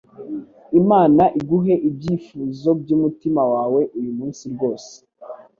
Imana iguhe ibyifuzo byumutima wawe uyumunsi rwose